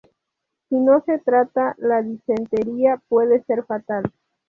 Si no se trata, la disentería puede ser fatal.